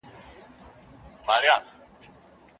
تیوري سته.